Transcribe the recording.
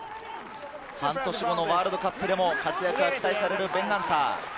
半年後のワールドカップでも活躍が期待される、ベン・ガンター。